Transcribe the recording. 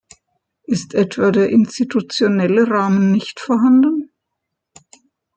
Ist etwa der institutionelle Rahmen nicht vorhanden?